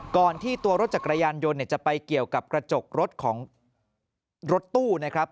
ก่อนที่ตัวรถจักรยานยนต์จะไปเกี่ยวกับกระจกรถของรถตู้นะครับ